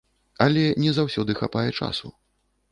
Але не заўсёды хапае часу.